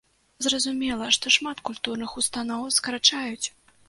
Зразумела, што шмат культурных устаноў скарачаюць.